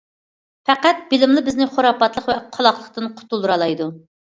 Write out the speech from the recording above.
پەقەت بىلىملا بىزنى خۇراپاتلىق ۋە قالاقلىقتىن قۇتۇلدۇرالايدۇ.